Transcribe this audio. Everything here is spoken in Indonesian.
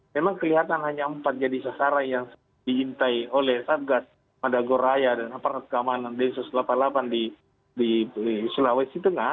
memang kelihatan hanya empat jadi sasaran yang diintai oleh satgas madagoraya dan aparat keamanan densus delapan puluh delapan di sulawesi tengah